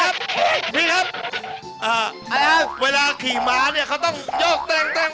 นี่ครับเวลาขี่มาเนี่ยเขาต้องโยกแต้ง